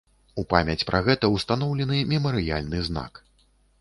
У памяць пра гэта ўстаноўлены мемарыяльны знак.